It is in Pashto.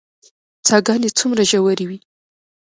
څاه ګانې څومره ژورې وي؟